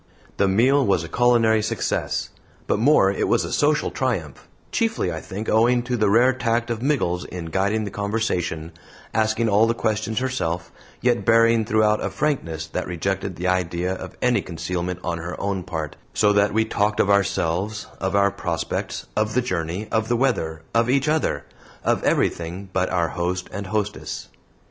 The meal was a culinary success. But more, it was a social triumph chiefly, I think, owing to the rare tact of Miggles in guiding the conversation, asking all the questions herself, yet bearing throughout a frankness that rejected the idea of any concealment on her own part, so that we talked of ourselves, of our prospects, of the journey, of the weather, of each other of everything but our host and hostess.